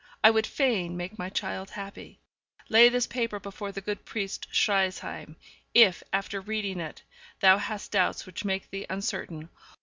I would fain make my child happy. Lay this paper before the good priest Schriesheim; if, after reading it, thou hast doubts which make thee uncertain.